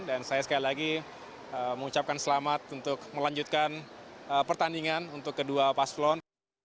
dan saya sekali lagi mengucapkan selamat untuk melanjutkan pertandingan untuk kedua paslon